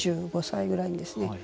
２５歳ぐらいにですね